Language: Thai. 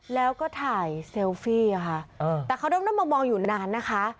แล้วก็ถ่ายเซลฟี่ค่ะแต่เขาด้อมมองอยู่นานนะคะ